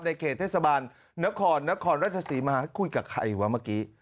ในเขตเทศบาลณครนฯรภาคุยกับใครวะเมื่อกี้